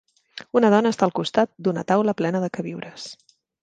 Una dona està al costat d'una taula plena de queviures.